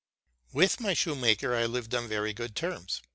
With my shoemaker I lived on very good terms.